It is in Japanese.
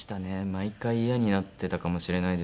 毎回イヤになってたかもしれないですね。